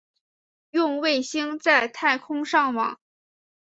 用卫星在太空上网